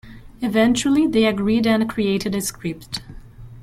Eventually, they agreed and created a script.